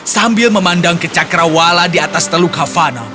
sambil memandang ke cakra wala di atas teluk havana